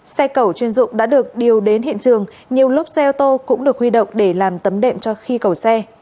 xe cầu chuyên dụng đã được điều đến hiện trường nhiều lốp xe ô tô cũng được huy động để làm tấm đệm cho khi cầu xe